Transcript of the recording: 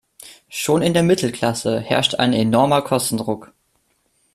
Schon in der Mittelklasse herrscht ein enormer Kostendruck.